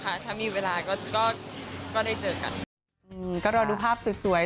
อย่าเปรียบเลย